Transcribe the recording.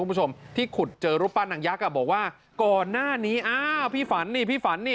คุณผู้ชมที่ขุดเจอรูปปั้นนางยักษ์อ่ะบอกว่าก่อนหน้านี้อ้าวพี่ฝันนี่พี่ฝันนี่